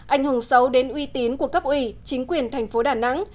ảnh hưởng xấu đến uy tín của cấp ủy chính quyền thành phố đà nẵng